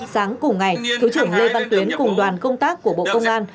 sáng cùng ngày thứ trưởng lê văn tuyến cùng đoàn công tác của bộ công an